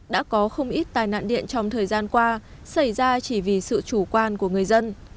đã có không ít tai nạn điện trong thời gian qua xảy ra chỉ vì sự chủ quan của người dân